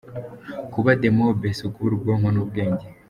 Kuba demob si ukubura ubwonko n’ubwenge!